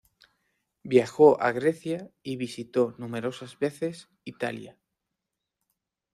Viajó a Grecia y visitó numerosas veces Italia.